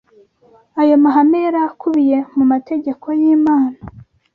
ayo mahame yari akubiye mu mategeko y’Imana